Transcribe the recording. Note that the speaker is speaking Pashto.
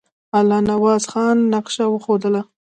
الله نواز خان نقشه وښودله.